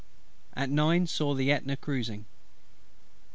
At nine saw the Ætna cruising.